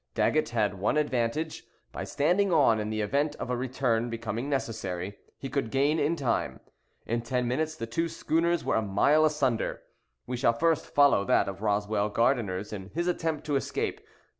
Daggett had one advantage: by standing on, in the event of a return becoming necessary, he could gain in time. In ten minutes the two schooners were a mile asunder. We shall first follow that of Roswell Gardiner's in his attempt to escape.